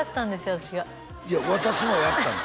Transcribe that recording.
私がいや私もやったの？